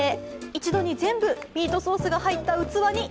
一度に全部ミートソースが入った器に。